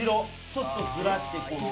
ちょっとずらしてこの。